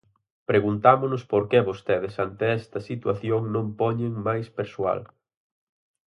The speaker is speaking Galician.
Preguntámonos por que vostedes, ante esta situación, non poñen máis persoal.